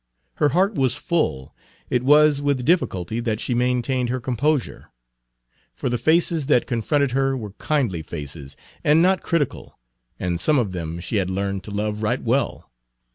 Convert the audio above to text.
Her heart was full; it was with difficulty that she maintained her composure; for the faces that confronted her were kindly faces, and not critical, and some of them she had learned to love right well.